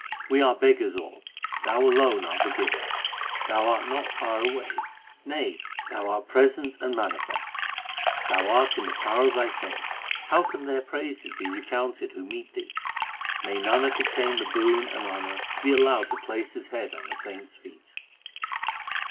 We are beggars all, Thou alone art the Giver ; Thou art not far away ; nay, Thou art present and manifest. Thou art in the power of Thy saints ; how can their praises be recounted who meet Thee ? May Nanak obtain the boon and honour to be allowed to place his head on the saints feet